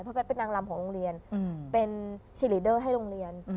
เพราะแป๊กเป็นนางลำของโรงเรียนเป็นซีรีเดอร์ให้โรงเรียน